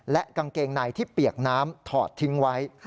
และกางเกงในที่เปียกน้ำถอดทิ้งไว้